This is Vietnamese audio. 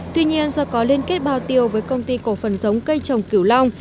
tuy nhiên do có liên kết bào tiêu với công ty cổ phần giống cây trồng kiểu long